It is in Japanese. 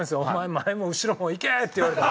前も後ろもいけ！って言われたら。